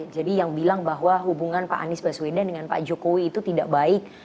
jadi yang bilang bahwa hubungan pak anies baswedan dengan pak jokowi itu tidak baik